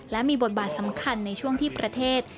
และมีบทบาทสำคัญในช่วงที่ประเทศ